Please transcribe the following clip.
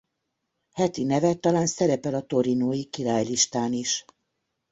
Heti neve talán szerepel a torinói királylistán is.